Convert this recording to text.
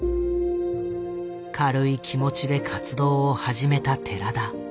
軽い気持ちで活動を始めた寺田。